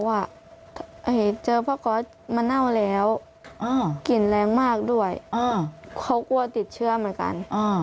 ว่าเจอพ่อก๊อตมาเน่าแล้วกลิ่นแรงมากด้วยเขากลัวติดเชื้อเหมือนกัน